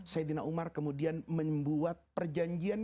saidina umar kemudian membuat perjanjian yang berikutnya